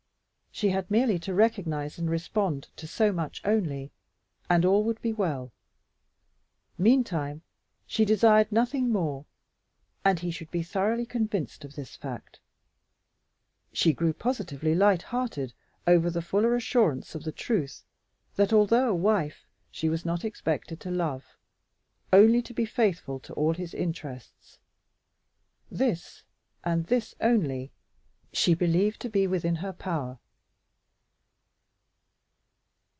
She had merely to recognize and respond to so much only and all would be well. Meantime, she desired nothing more, and he should be thoroughly convinced of this fact. She grew positively light hearted over the fuller assurance of the truth that although a wife, she was not expected to love only to be faithful to all his interests. This, and this only, she believed to be within her power.